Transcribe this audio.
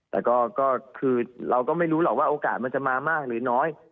แต่ก็คือเราก็ไม่รู้หรอกว่าโอกาสมันจะมามากหรือน้อย